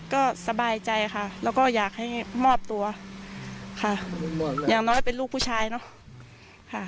ก็สบายใจค่ะแล้วก็อยากให้มอบตัวค่ะอย่างน้อยเป็นลูกผู้ชายเนอะค่ะ